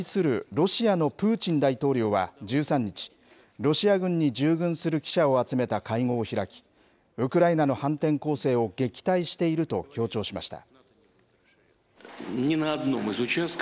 ロシアのプーチン大統領は１３日、ロシア軍に従軍する記者を集めた会合を開き、ウクライナの反転攻勢を撃退していると強調しました。